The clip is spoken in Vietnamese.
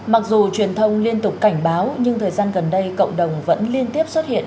mặc dù truyền thông liên tục cảnh báo nhưng thời gian gần đây cộng đồng vẫn liên tiếp xuất hiện